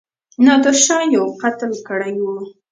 نادرشاه یو قتل کړی وو.